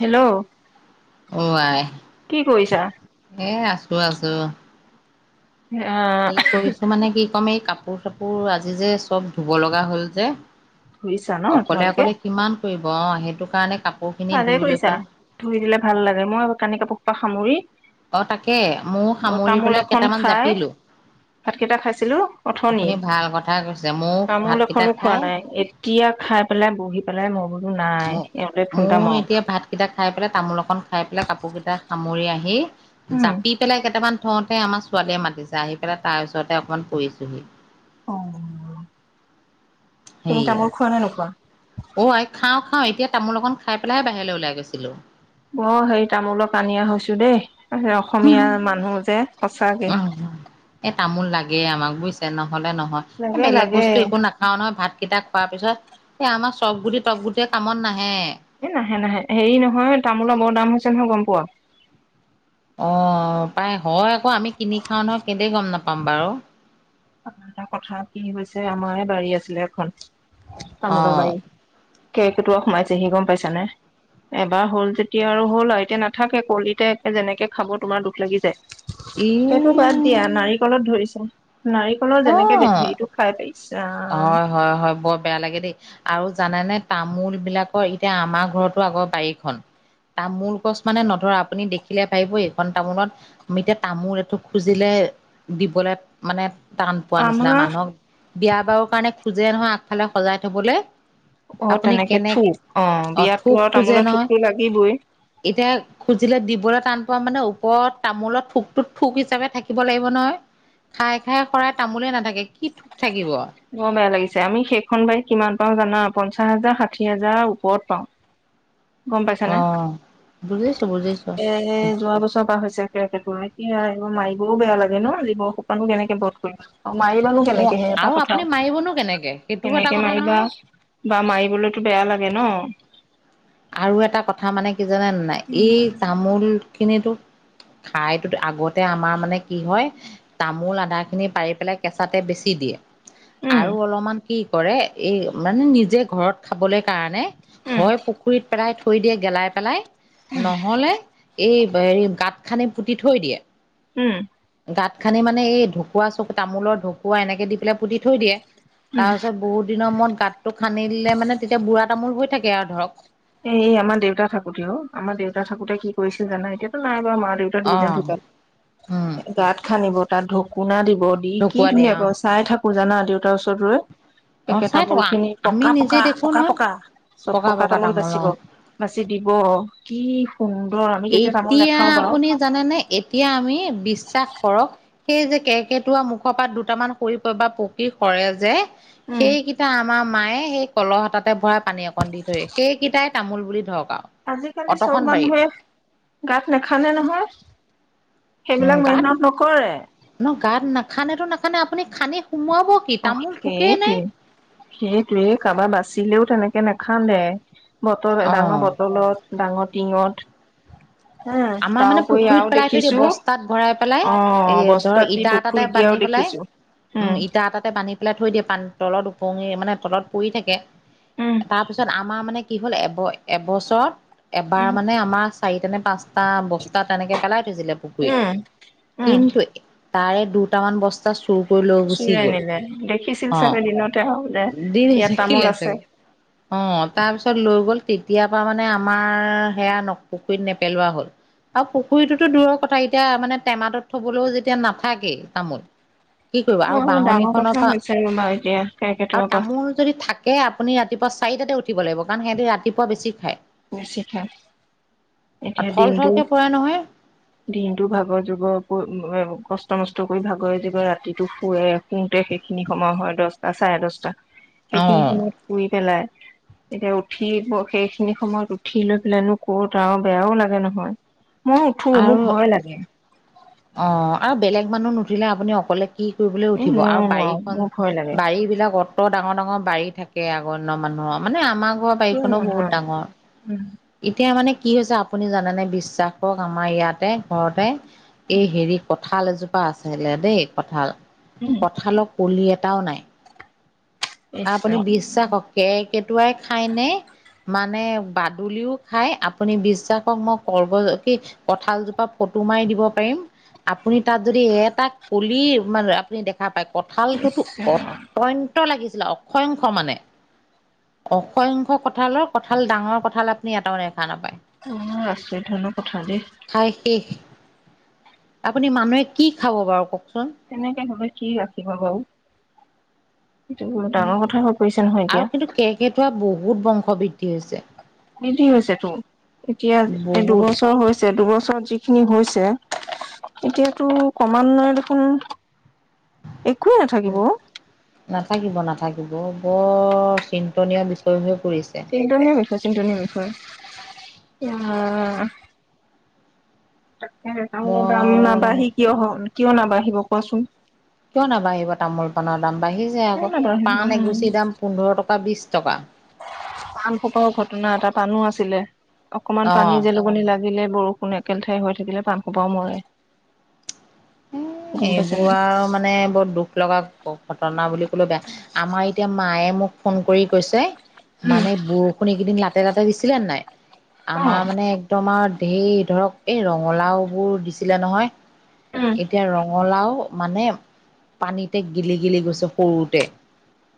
Hello অ' আই, কি কৰিছা এই আছো কোৱা আছো। আহ সেই কৰিছো মানে কি ক'ম, এই কাপোৰ -চাপোৰ আজি যে চব ধুব লগা হ'ল যে। ধুইছা ন অকলে, তোমালোকে অকলে কিমান কৰিব অ' হেইটো কাৰণে কাপ ভালে কৰিছা ধুই দিলে ভাল লাগে, মই কানি-কাপোৰ সোপা সামৰি অ' তাকে মউ সামৰি তামোল পেলাই এখন কেটামান খাই জাপিলো। ভাতকেইটা খাইছিলো অথনি আপুনি ভাল কথা কৈছে ময়ো তামোল ভাতকেইটা এখনো খোৱা খাই নাই এতিয়া। খাই পেলাই বহি পেলাই মই বোলো নাই এওঁকে ফোন এটা মাৰো। কেইটা খাই পেলাই, তামোল অকন খাই পেলাই, কাপোৰ কেইটা সামৰি আহি উম জাপি পেলাই কেইটামান প্ৰথমতে আমাৰ ছোৱালীয়ে মাতিছে, আহি পেলাই তাই ওচৰতে অকণমান পৰিছোহি। অ' তুমি সেইয়া তামোল খোৱা নে নোখোৱা? অ' আই খাওঁ খাওঁ, এতিয়া তামোল অকন খাই পেলাইহে বাহিৰলৈ ওলাই গৈছিলোঁ। বৰ হেই তামোলৰ কানিয়া হৈছো দেই। অ' হেয়া, অসমীয়া মানুহ যে সঁচাকে চে নহ'লে নহয়, এ লাগে বেলেগ লাগে বস্তু একো নাখাওঁ নহয়, ভাতকেইটা খোৱাৰ পিছত এ আমাৰ চব গুটি, টপ গুটিয়ে কামত নাহে। এ নাহে নাহে, হেৰি নহয় তামোলৰ বৰ দাম হৈছে নহয় গম পোৱা? অ' পায় হয় আকৌ আমি কিনি খাওঁ নহয়, কেইলে গম নাপাম বাৰু। এটা কথা কি হৈছে আমাৰে বাৰী আছিলে এখন। অ তামোলৰ বাৰী কেৰ্কেটুৱা সোমাইছে সি গম পাইছা নে? এবাৰ হ'ল যেতিয়া আৰু হ'ল আৰু এতিয়া নাথাকে কলিতে যেনেকে খাব তোমাৰ দুখ লাগি যায়। ই সেইটো বাদ দিয়া নাৰিকলত ধৰিছে, নাৰিকলৰ যেনেকে অ হেৰিটো খাই পাই হয় হয় হয় বৰ বেয়া লাগে দেই। আৰু জানেনে তামোল বিলাকৰ এতিয়া আমাৰ ঘৰতো আগৰ বাৰীখন তামোল গছ মানে নধৰা আপুনি দেখিলে ভাবিব এইখন তামোলত আমি এতিয়া তামোল এঠুক খুজিলে এ দিবলে মানে টান পোৱা নিচিনা আমাৰ মানুহক বিয়া বাৰো কাৰণে খোজে নহয় আগফালে সজাই থবলে অ তেনেকে থোক, অ বিয়টো থোক খোজে তামোলৰ নহয় থোকটো লাগিবই। এতিয়া খুজিলে দিবলে টান পোৱা মানে ওপৰত তামোলত ঠোকটোত ঠোক হিচাপে থাকিব লাগিব নহয়। খায় খায় হৰাই তামোলে নাথাকে কি ঠোক থাকিব। অ বেয়া লাগিছে, আমি সেইখন বাৰী কিমান পাওঁ জানা? পঞ্চাশ হাজাৰ ষাঠি হাজাৰ ওপৰত পাওঁ। গম পাইছানে? অ', বুজিছো বুজিছো এ যোৱা বছৰৰ পৰা হৈছে কেৰ্কেটুৱাই এয়া এইবোৰ মাৰিবও বেয়া লাগে ন, জীৱৰ সোপানো কেনেকে বধ কৰিবা। অ মাৰিবানো অ', কেনেকে হে এটা আৰু আপুনি কথা। মাৰিবনো সেইটোও এটা কেনেকে কথা মাৰিবা নহয়। বা মাৰিবলৈতো বেয়া লাগে ন? আৰু এটা কথা মানে কি জানা নে নাই, এই উম তামোল খিনিটো খায়তোত আগতে আমাৰ মানে কি হয়, তামোল আধা খিনি পাৰি পেলাই কেঁচাতে বেছি দিয়ে। উম আৰু অলপমান কি কৰে, এই মানে নিজে ঘৰত খাবলৈ কাৰণে উম হয় পুখুৰীত পেলাই থৈ দিয়ে গেলাই পেলাই, নহলে এই হেৰি গাঁত খানি পুতি থৈ দিয়ে। উম গাঁত খানি মানে এই ঢকুৱা চ তামোলৰ ঢকুৱা এনেকে দি পেলাই পুতি থৈ দিয়ে, তাৰপিছত বহুত দিনৰ মূৰত গাতটো খানি দিলে মানে তেতিয়া বুঢ়া তামোল হৈ থাকে আৰু ধৰক। এ এই আমাৰ দেউতা থাকোতেও আমাৰ দেউতা থাকোতে কি কৰিছিল জানা এতিয়াতো নাই মা দেউতা দুইজন অ' ঢুকাল, উম গাঁত খান্দিব তাত ঢকুনা দিব দি কি ঢকুৱা দিয়ে ধুনীয়া ক অ' চাই থাকো জানা দেউতাৰ ওচৰত ৰৈ। অ' একে চাই তামোল থাকো খিনি আমি পকা নিজে পকা দেখো পকা নহয় পকা চব পকা তামোল বেছ ছিব বাছি দিব কি সুন্দৰ আমি যেতিয়া তামোল এতিয়া নাখাও বাৰু আপুনি জানেনে এতিয়া আমি বিশ্বাস কৰক সেই যে কেকটুৱা মুখৰ পাত দুটামান সৰি বা পকি সৰে যে উম সেইকেইটা আমাৰ মায়ে সেই কলহ এটাতে ভৰাই পানী অকণ দি থয়, সেইকেইটাই তামোল বুলি ধৰক। আৰু আজিকালি চব অতখন বাৰীত মানুহে গাত নেখানে নহয়। উম সেইবিলাক মেহনত নকৰে। খানাটো নেখানে আপুনি খানি সোমোৱাব কি অ তামোল থোকেই নে সেইটোৱে সেইটোৱে কাৰোবাৰ বাচিলেও তেনেক কে নাখান্দে বটল অ ডাঙৰ বটলত ডাঙৰ টিঙত উম আমাৰ মানে তাৰপৰি পুখুৰীত আৰু পেলাই থৈ দিয়ে দেখিছো বস্তাত ভৰাই পেলাই অ এই ধৰক বস্তাত দি ইটা এটাতে পুখুৰী বান্ধি দিয়াত পেলাই দেখিছো উম ইটা এটাতে পানীত পেলাই থৈ দিয়ে পানী তলত ওপঙি মানে তলত পৰি থাকে উম তাৰপিছত আমাৰ মানে কি হ'ল এব এবছৰত এবাৰ উম মানে আমাৰ চাৰিটা নে পাঁচ টা বস্তা তেনেকে পেলাই থৈছিলে পুখুৰীত উম উম কিন্তু তাৰে দুটামান বস্তা চুৰ কৰি লৈ গুচি চুৰাই গ'ল, নিলে দেখিছিল অ' চাগে দিনতে আৰু যে দি ইয়াত তামোল থাকিলে আছে চাগে। [inaudible] অ' তাৰপিছত লৈ গ'ল, তেতিয়াৰ পৰা মানে আমাৰ সেয়া ন পুখুৰীত নেপেলোৱা হ'ল। আও পুখুৰীটোতো দূৰৰ কথা এতিয়া মানে টেমাটোত থবলৈও যেতিয়া নাথাকেই তামোল কি কৰিব আৰু বৰ বাঁহনি ডাঙৰ খনৰ কথা পৰা হৈছে ৰ'বা এতিয়া আও কেৰ্কেটুৱাৰ পৰা তামোল যদি থাকে আপুনি ৰাতিপুৱা চাৰিটাতে উঠিব লাগিব কাৰণ সিহঁতে ৰাতিপুৱা বেছি খায়। [unintelligible] এতিয়া থল দিনটো থলকে পৰে নহয় দিনটো ভাগৰ যুগৰ উপৰিও কষ্ কষ্ট মষ্ট কৰি ভাগৰে যিগৰে ৰাতিটো শুৱে শুওঁতে সেইখিনি সময় হয় দহটা চাৰে দহটা। সেইখিনি অ', সময়ত শুই পেলাই এতিয়া উঠি সেইখিনি। সময়ত উঠি লৈ পেলাইনো ক'ত আৰু বেয়াও লাগে নহয়। মই উঠো মোৰ আৰু ভয় লাগে। অ আৰু বেলেগ মানুহ নুঠিলে আপুনি অকলে কি কৰিবলৈ এই উঠিব নোৱাৰো আৰু নোৱাৰো বাৰীখন মোৰ ভয় লাগে বাৰী বিলাকত অত ডাঙৰ ডাঙৰ বাৰী থাকে আগৰ দিনৰ মানুহৰ মানে আমাৰ ঘৰ বাৰীখনো বহুত নহয় ডাঙৰ উম এতিয়া মানে কি হৈছে আপুনি জানেনে বিশ্বাস কৰক আমাৰ ইয়াতে ঘৰতে এই হেৰি কঁঠাল এজোপা আছিলে দেই কঁঠাল উম কঁঠালৰ কলি এটা। এটাও নাই। আ ইচ্ আপুনি ৰাম বিশ্বাসক কেৰ্কেটুৱাই খাইনে মানে বাদুলিও খাই আপুনি বিশ্বাস কৰক মই [unintelligible] কঁঠালজোপা ফটো। ফটো মাৰি দিব পাৰিম আপুনি তাত যদি এটা কলি মানে আপুনি দেখ দেখা পাই কঁঠালটোতো ইছ অত্যন্ত লাগিছিলে অসংখ্য মানে। অসংখ্য কঁঠালৰ কঁঠাল ডাঙৰ কঁঠাল আপুনি এটাও নাই। দেখা নাপায় ৰাম বৰ আচৰিত ধৰণৰ কথা দেই। খাই শেষ। আপুনি মানুহে কি খাব বাৰু কওক তেনেকে হলে কি ৰাখিব বাৰু। এই বৰ ডাঙৰ কথা হৈ পৰিছে নহয় আৰু এতিয়া। কিন্তু কেৰ্কেটুৱা বহুত বংশ বৃদ্ধি হৈছে। বৃদ্ধি হৈছেতো এতিয়া এই বহুত দুবছৰ হৈছে দুবছৰত যিখিনি হৈছে। এতিয়াতো ক্ৰমান্বয়ে দেখোন। একোৱেই নাথাকিব। নাথাকিব নাথাকিব বৰ চিন্তনীয় বিষয় হৈ। পৰিছে। চিন্তনীয় বিষয় চিন্তনীয় বিষয় অ। তাকে দাম বৰ মানে নাবঢ়ি কিয় কিয় নাবাঢ়িব কোৱাচোন। কিয় নাবাঢ়িব তামোল পাণৰ দাম বাঢ়িছে কিয় আকৌ নাবাঢ়িব পাণ উম এগুছিৰ দাম পোন্ধৰ টকা বিশ টকা পাণ সোপাও ঘটনা এটা পাণো আছিলে অকমান পানী অ'। জেলুকনি লাগিলে। বৰষুণ একেলেঠাৰিয়ে হৈ থাকিলে পান সোপাও মৰে। এ গম এইবোৰ পাইছানে? আৰু মানে বহুত দুখ লগা ঘটনা বুলি কলে বেয়া আমাৰ এতিয়া মায়ে মোক ফোন কৰি কৈছে। উম। মানে বৰষুণ এইকেইদিন লাতে লাতে দিছিলে নাই, আমাৰ অ', মানে একদম আও সেই ধৰক এই ৰঙালাও বোৰ দিছিলে নহয়, উম। এতিয়া ৰঙালাও মানে পানীতে গিলি গিলি গৈছে সৰুতে।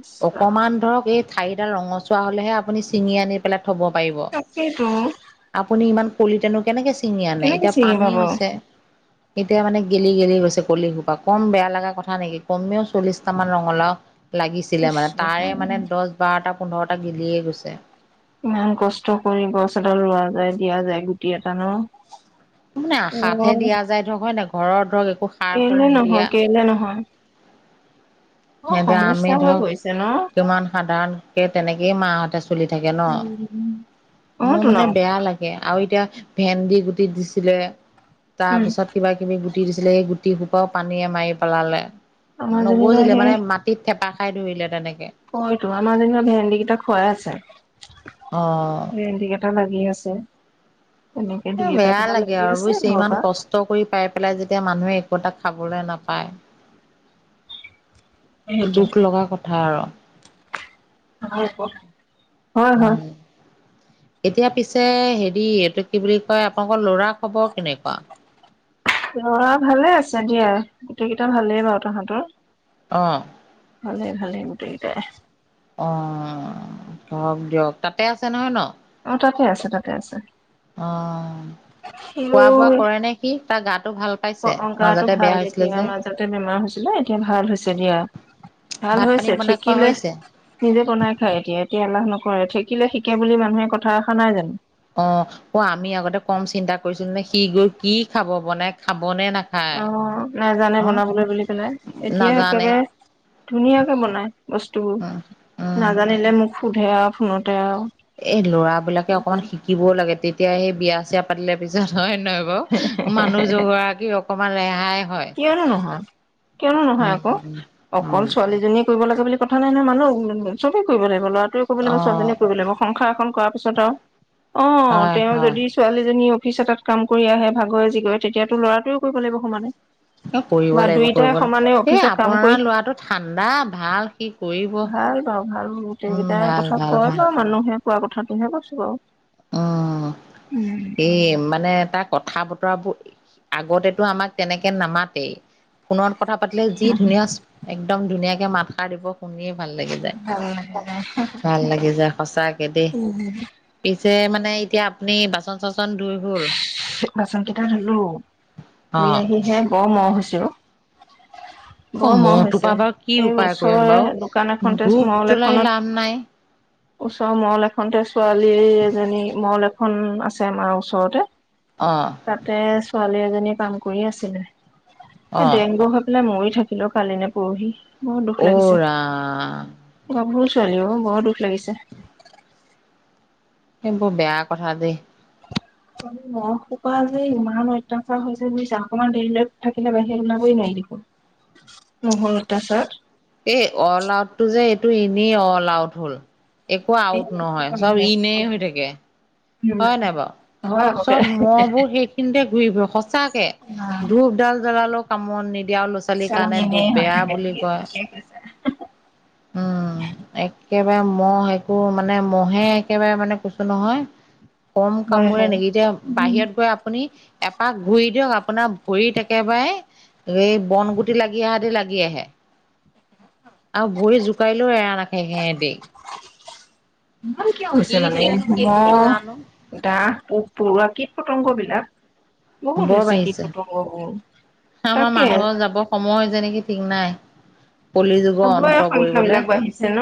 ইছ ৰাম, অকমান ধৰক এই ঠাৰিডাল ৰঙচুৱা হলেহে আপুনি ছিঙি আনি পেলাই। থব পাৰিব তাকেইতো আপুনি ইমান কলিতেনো কেনেকে। চিঙি আনে কেনেকে এতিয়া চিনি পানী পাব? হৈছে এতিয়া মানে। গেলি গেলি গৈছে কলি খোপা কম বেয়া লগা কথা নেকি কমেও চল্লিশটা মান ৰঙালাওঁ। লাগিছিলে ইছ মানে তাৰে ৰাম। মানে দহ বাৰটা পোন্ধৰটা গেলিয়ে গৈছে। ইমান কষ্ট কৰি গছ এডাল ৰোৱা যায় দিয়া যায় গুটি এটা নহ। আশাতহে দিয়া যায় ধৰক হয় নাই ঘৰত ধৰক একো সাৰ সুৰ কেলে নিদিয়া নহয়, কেলে নহয়, বৰ [unintelligible] আমি সমস্যা হৈ ধৰক পৰিছে ন? কিমান সাধাৰণকে তেনেকেই মাহঁতে। চলি থাকে নহ উম। অ', মোৰ তো ন, মানে বেয়া লাগে আৰু। এতিয়া ভেন্দি গুটি দিছিলে, তাৰ উম, পিছত কিবা কিবি গুটি দিছিলে সেই গুটি ই পানীয়ে মাৰি‌ পেলালে। আমাৰ যেনিবা নগজিলে মানে সেই মাটিত থেপা খাই ধৰিলে তেনেকে। হয়টো আমাৰ যেনিবা ভেন্দি কেইটা খুৱাই আছে। অ'। ভেণ্ডি কেইটা লাগি আছে। তেনেকে এ দুই এটা বেয়া কিবা লাগে লাগি আৰু আছে বুজিছে ঘৰৰ ইমান পৰা কষ্ট কৰি পাই পেলাই যেতিয়া মানুহে টা খাবলৈ নাপায়। সেইটোৱে। দুখ লগা কথা [unintelligible] হয় হয়। উম। এতিয়া পিছে হেৰি এইটো কি বুলি কয় আপোনালোকৰ ল'ৰা খবৰ কেনেকুৱা? লৰা ভালে আছে দিয়া। গোটেইকেইটা ভালেই বাৰু তহাঁতৰ। অ'। ভালে ভালে গোটেই কেইটাই। অ, ধৰক দিয়ক তাতে আছে নহয় ন? অ তাতে আছে, তাতে আছে অহ, খোৱা বোৱা কৰে নে সি? তাৰ গাত অ গাটো ভাল এতিয়া মাজতে বেমাৰ হৈছিলে এতিয়া ভাল হৈছে। দিয়া, ভাল ভাত পানী হৈছে বনাই খোৱা থাকিলে হৈছে? নিজে বনাই খায় এতিয়া। এতিয়া এলাহ নকৰে, থাকিলে শিকে বুলি মানুহে কথা এষাৰ নাই জানো। অ, অ আমি আগতে কম চিন্তা কৰিছিলো নে সি গৈ কি খাব, বনাই খা অ', নাজানে বনাবলৈ বুলি পেলাই এতিয়া নাজানে একেবাৰে। ধুনীয়াকে বনাই বস্তুবোৰ উম, উম। নাজানিলে মোক সোধে আও ফোনতে আও এই ল'ৰা বিলাকে অকনমান শিকিবও লাগে তেতিয়া সেই বিয়া চিয়া পাতিলে পিছত হয় নহয় বাৰু? মানুহ গৰাকী অকমান ৰেহাই হয়। কিয়নো নহয়, কিয়নো নহয় উম, আকৌ উম, অকল উম, ছোৱালীজনীয়ে কৰিব লাগে বুলি কথা নাই নহয়, মানুহ চবেই কৰিব লাগিব ল'ৰাটোৱে কৰিব লাগিব, ছোৱালীজনী অ', কৰিব লাগিব, সংসাৰ এখন কৰ পিছত আৰু অ', হয়, তেওঁ হয়। যদি ছোৱালীজনী অফিচ এটাত কাম কৰি আহে, ভাগৰে যি কৰে তেতিয়াতো ল'ৰাটোৱে কৰিব লাগিব সমানে। এ কৰিব বা লাগিব দুইটাই কৰিব সমানে লাগিব এই অফিচত কাম কৰি আপোনাৰ লৰাটো ঠাণ্ডা ভাল সি কৰিব ভাল বাৰু ভাল উম গোটেইকেইটাৰ ভাল কথা ভাল কয় ভাল বাৰু মানুহে কোৱা কথাটোহে কৈছো বাৰু। উম স মানে তাৰ কথা ব তোমাক আগতেতো আমাক তেনেকে নামাতেই ফোণত কথা পাতিলে যি ধুনীয়া একদম ধুনীয়াকৈ মাত সাৰ দিব শুনি ভাল লাগি যায়, ভাল ভাল লাগি যা। উ হ। পিছে মানে এতিয়া আপুনি বাচন চাচন ধুই হ'ল? বাচন কেইটা ধুলো, অ ধুই আহিহে বৰ মহ হৈছে অ'। [inaudible] বৰ অ', মহ মহখোপা হৈছে বাৰু কি এই উপায় কৰিম ওচৰৰে বাৰু? দোকান এখনতে ধূপ মল জ্বলাই এখনত লাভ নাই। ওচৰৰ মল এখনতে ছোৱালী এজনী মল এখন আছে আমাৰ ওচৰতে। অ তাতে ছোৱালী এজনী কাম কৰি আছিলে অ এই ডেংগু হৈ পেলাই মৰি থাকিলে কালি নে পৰহি, বহুত দুখ অ লাগিছে। ৰাম গাভৰু ছোৱালী বহত দুখ লাগিছে। সেইবোৰ বেয়া কথা দেই ম'হসোপা যে ইমান অত্যাচাৰ হৈছে বুইছা অকণমান দেৰিলৈ থাকিলে বাহিৰ ওলাবই নোৱাৰি দেখোন উ। নহ'ল তাৰ পিছত এই অল আউটটো যে এইটো এনেই অল আউট হ'ল। একো এই আউট একো নহয়, কাম চব নাই। ইনে হৈ থাকে উম হয় নাই বাৰু। হয় আকৌ দে। চব মহবোৰ সেইখিনিতে ঘূৰি ফৰে সঁচাকে ধূপ ডাল জ্বলালে কামত নিদ তিয়া ল'ৰা ছোৱালীৰ চব কাৰণে দুখ এনেই হৈ বেয়া থাকে বুলি কয়। ঠিকে কৈছা। অ'। একেবাৰে মহ একো মানে মহে একেবাৰে মানে কৈছো নহয়। কম হয় কামোৰে হয় নেকি এতিয়া বাহিৰত গৈ আপুনি এপাক ঘূৰি দিয়ক আ আপোনাৰ ভৰিত একেবাৰে এই বন গুটি লাগি আহা দি লাগি আহে। আৰু ভৰি জোকাৰিলেও এৰা নাখায় সেহঁতি। ইমান কিয় হৈছে মানে দিলেনো শেষ হ'ব মহ, জানো। দাহ ব পৰুৱা, কীট-পতংগবিলাক বহুত বৰ হৈছে বাঢ়িছে, কীট-পতংগবোৰ। আমাৰ মানুহৰ যাব সময় হৈছে নেকি ঠিক নাই। কলি যুগৰ চবৰে অন্ত সংখ্যা পৰিবলে, বিলাক বাঢ়িছে ন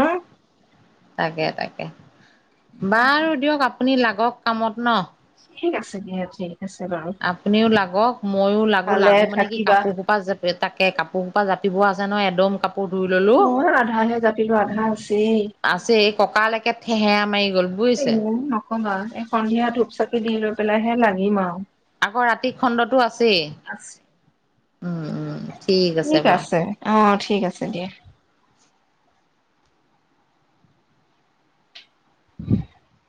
তাকে, তাকে। বাৰু দিয়ক আপুনি লাগক কামত ন'। ঠিক আছে দিয়া থি আপুনিও লাগক ময়ো লাগো ভালে লাগো মানে কি থাকিবা কাপোৰ সোপা তাকে কাপোৰ পা জাপিব আছে ন' এদম কা আকৌ ধুই ললো মই আধাহে জাপিলো আধা আছেই আছে এই ককালৈকে থঠেহে আ মাৰি গ'ল এ বুজিছে। নক'বা এই সন্ধিয়া ধূপ চাকি দি লৈ পেলাইহে লাগিম আৰু। আকৌ ৰাতি খণ্ডতো আছেই, উম উম। ঠিক আছে, অ ঠিক আছে, দিয়া [inaudible]